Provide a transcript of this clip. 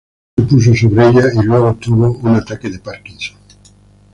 Se puso sobre ella y luego tuvo un ataque de Parkinson.